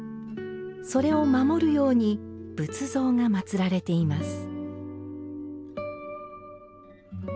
それを守るように仏像がまつられています。